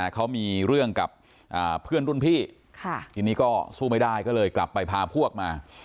เขามีเรื่องกับเพื่อนรุ่นพี่ทีนี้ก็สู้ไม่ได้ก็เลยกลับไปพาพวกมา